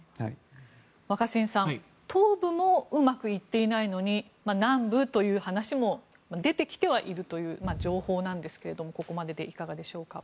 若新さん、東部もうまくいっていないのに南部という話も出てきてはいるという情報なんですけれどもここまででいかがでしょうか。